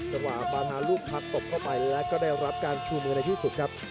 จังหวะปานาลูกทักตบเข้าไปแล้วก็ได้รับการชูมือในที่สุดครับ